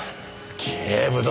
警部殿。